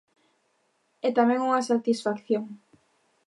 E tamén unha satisfacción.